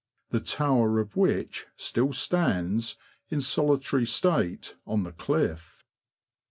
191 the tower of which still stands, in solitary state, on the cliff.